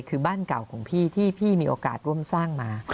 คือบ้านเก่าของพี่ที่พี่มีโอกาสร่วมสร้างมา